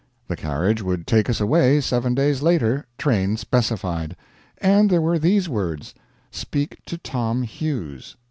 The carriage would take us away seven days later train specified. And there were these words: "Speak to Tom Hughes."